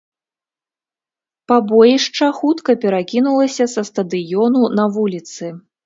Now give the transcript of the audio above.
Пабоішча хутка перакінулася са стадыёну на вуліцы.